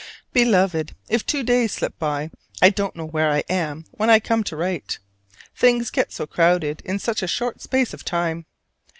Beloved: If two days slip by, I don't know where I am when I come to write; things get so crowded in such a short space of time.